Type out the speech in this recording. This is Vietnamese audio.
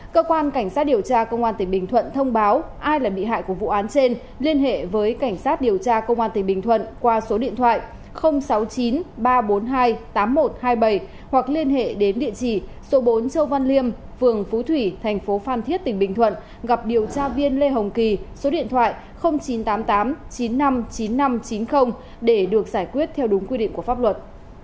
cơ quan cảnh sát điều tra công an tỉnh bình thuận thông báo ai là bị hại của vụ án trên liên hệ với cảnh sát điều tra công an tỉnh bình thuận qua số điện thoại sáu mươi chín ba trăm bốn mươi hai tám nghìn một trăm hai mươi bảy hoặc liên hệ đến địa chỉ số bốn châu văn liêm phường phú thủy thành phố phan thiết tỉnh bình thuận gặp điều tra viên lê hồng kỳ số điện thoại chín trăm tám mươi tám chín trăm năm mươi chín nghìn năm trăm chín mươi để được giải quyết theo đúng quy định của pháp luật